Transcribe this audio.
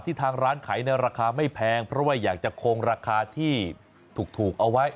ทางร้านขายในราคาไม่แพงเพราะว่าอยากจะคงราคาที่ถูกเอาไว้